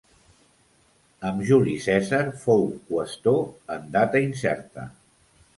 Amb Juli Cèsar fou qüestor en data incerta.